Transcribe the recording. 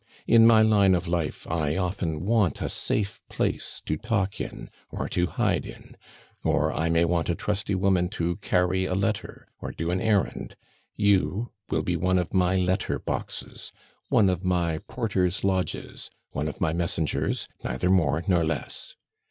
"In my line of life I often want a safe place to talk in or to hide in. Or I may want a trusty woman to carry a letter or do an errand. You will be one of my letter boxes, one of my porters' lodges, one of my messengers, neither more nor less.